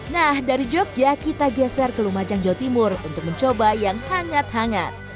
nah dari jogja kita geser ke lumajang jawa timur untuk mencoba yang hangat hangat